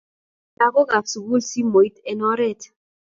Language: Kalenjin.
Kasich lakok ab sukul simoit en oret .